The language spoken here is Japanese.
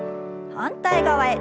反対側へ。